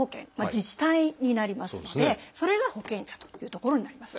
自治体になりますのでそれが保険者というところになります。